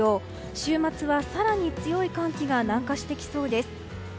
週末は更に強い寒気が南下してきそうです。